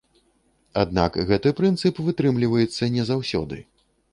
Аднак гэты прынцып вытрымліваецца не заўсёды.